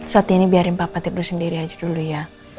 saat ini biarin bapak tidur sendiri aja dulu ya